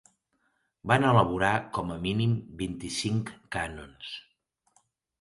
Van elaborar com a mínim vint-i-cinc cànons